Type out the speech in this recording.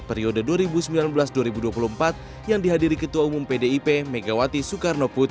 periode dua ribu sembilan belas dua ribu dua puluh empat yang dihadiri ketua umum pdip megawati soekarno putri